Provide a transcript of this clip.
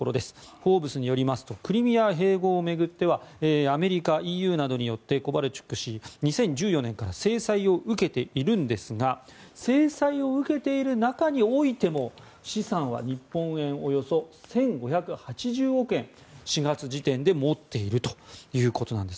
「フォーブス」によりますとクリミア併合を巡ってはアメリカ、ＥＵなどによってコバルチュク氏は２０１４年から制裁を受けていますが制裁を受けている中においても資産は日本円でおよそ１５８０億円４月時点で持っているということです。